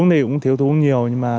thì cũng thiếu thú nhiều nhưng mà